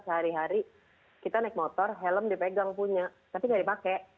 sehari hari kita naik motor helm dipegang punya tapi nggak dipakai